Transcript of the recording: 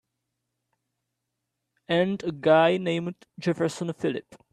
And a guy named Jefferson Phillip.